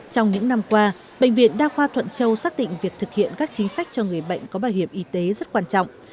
trong những năm qua bệnh viện đa khoa thuận châu xác định việc thực hiện các chính sách cho người bệnh có bảo hiểm y tế rất quan trọng